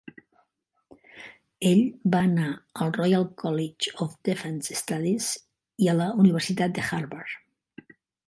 Ell va anar al Royal College of Defence Studies i a la Universitat de Harvard.